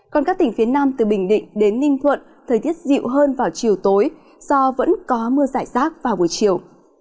còn các tỉnh phía nam từ bình định đến ninh thuận thời tiết dịu hơn vào chiều tối do vẫn có mưa giải rác vào buổi chiều